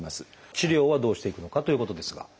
治療はどうしていくのかということですが。